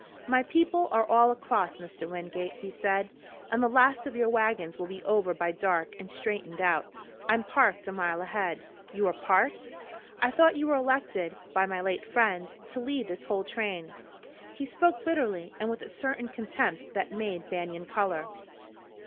"My people are all across, Mr. Wingate," he said, and the last of your wagons will be over by dark and straightened out. I'm parked a mile ahead." "You are parked? I thought you were elected by my late friends to lead this whole train." He spoke bitterly and with a certain contempt that made Banion color.